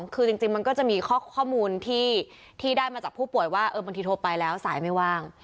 คือจริงมันก็จะมีข้อมูลที่ได้มาจากผู้ป่วยว่าบางทีโทรไปแล้วสายไม่ว่าง